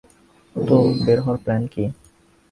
তো, বের হওয়ার প্ল্যান কী?